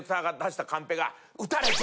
「撃たれて！」